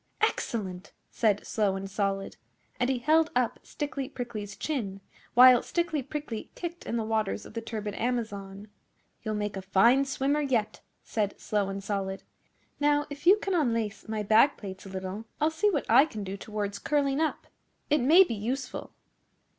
'Excellent!' said Slow and Solid; and he held up Stickly Prickly's chin, while Stickly Prickly kicked in the waters of the turbid Amazon. 'You'll make a fine swimmer yet,' said Slow and Solid. 'Now, if you can unlace my back plates a little, I'll see what I can do towards curling up. It may be useful.